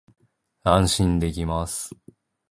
安心できます